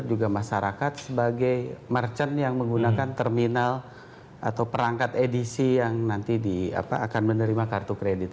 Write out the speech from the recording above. juga masyarakat sebagai merchant yang menggunakan terminal atau perangkat edisi yang nanti akan menerima kartu kredit